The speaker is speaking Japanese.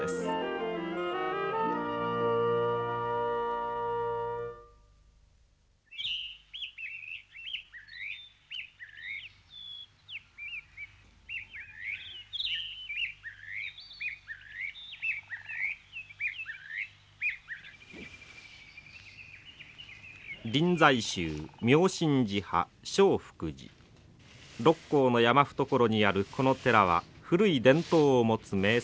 六甲の山懐にあるこの寺は古い伝統を持つ名刹です。